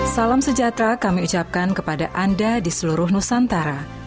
salam sejahtera kami ucapkan kepada anda di seluruh nusantara